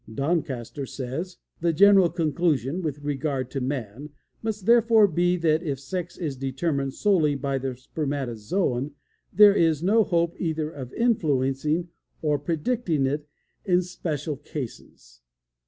Doncaster says "The general conclusion with regard to man must therefore be that if sex is determined solely by the spermatozoon there is no hope either of influencing or predicting it in special cases.